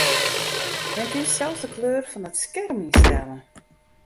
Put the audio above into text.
Men kin sels de kleur fan it skerm ynstelle.